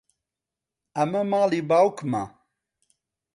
ئەمە ماڵی باوکمە.